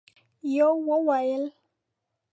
يوه وويل: